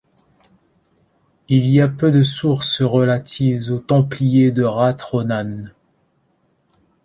Il y a peu de sources relatives aux Templiers de Rathronan.